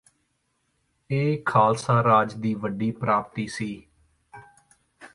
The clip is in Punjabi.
ਇਹ ਖ਼ਾਲਸਾ ਰਾਜ ਦੀ ਵੱਡੀ ਪ੍ਰਾਪਤੀ ਸੀ